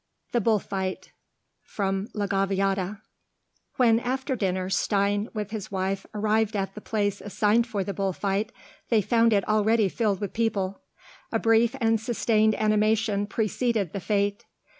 THE BULL FIGHT From 'La Gaviota' When after dinner Stein and his wife arrived at the place assigned for the bull fight, they found it already filled with people. A brief and sustained animation preceded the fête.